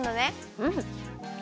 うん。